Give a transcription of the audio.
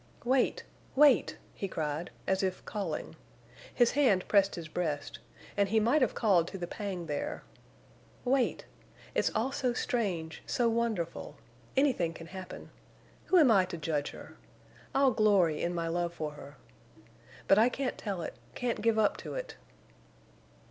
"Wait!... Wait!" he cried, as if calling. His hand pressed his breast, and he might have called to the pang there. "Wait! It's all so strange—so wonderful. Anything can happen. Who am I to judge her? I'll glory in my love for her. But I can't tell it—can't give up to it."